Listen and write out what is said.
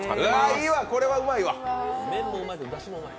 いいわ、これはうまいわ。